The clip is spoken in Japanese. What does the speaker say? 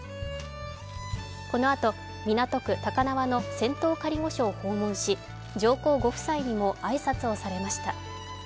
このあと港区高輪の仙洞仮御所を訪問し、上皇ご夫妻にも挨拶をされました。